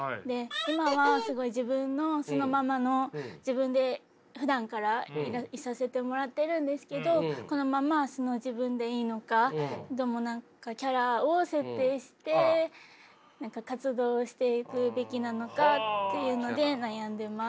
今はすごい自分の素のままの自分でふだんからいさせてもらってるんですけどこのまま素の自分でいいのか何かキャラを設定して活動していくべきなのかっていうので悩んでます。